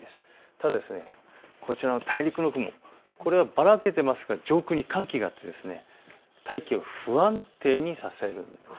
ただ、こちらの大陸の雲、これがばらけてますから、上空に寒気があり大気を不安定にさせるんです。